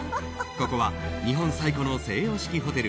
ここは日本最古の西洋式ホテル。